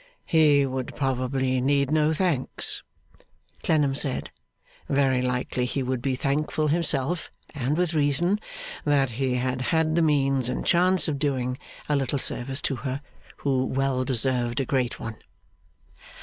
He would probably need no thanks, Clennam said. Very likely he would be thankful himself (and with reason), that he had had the means and chance of doing a little service to her, who well deserved a great one.